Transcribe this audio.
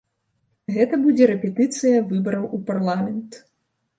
Гэта будзе рэпетыцыя выбараў у парламент.